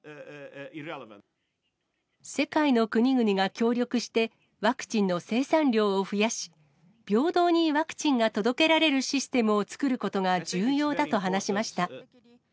世界の国々が協力して、ワクチンの生産量を増やし、平等にワクチンが届けられるシステムを作ることが重要だと話しました。